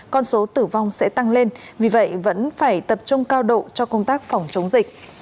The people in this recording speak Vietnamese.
con số tử vong sẽ tăng lên vì vậy vẫn phải tập trung cao độ cho công tác phòng chống dịch